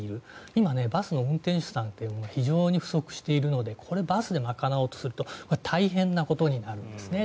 今、バスの運転手さんが非常に不足しているのでこれ、バスで賄おうとすると大変なことになるんですね。